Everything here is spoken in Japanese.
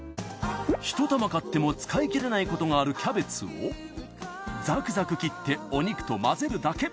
１玉買っても使い切れないことがあるキャベツをザクザク切ってお肉と混ぜるだけ。